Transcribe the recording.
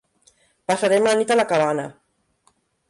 Passarem la nit a la cabana.